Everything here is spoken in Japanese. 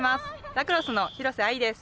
ラクロスの廣瀬藍です。